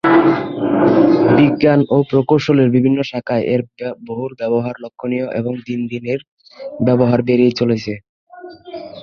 বিজ্ঞান ও প্রকৌশলের বিভিন্ন শাখায় এর বহুল ব্যবহার লক্ষণীয় এবং দিন দিন এর ব্যবহার বেড়েই চলেছে।